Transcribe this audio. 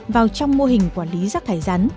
vào trong mô hình quản lý rác thải rắn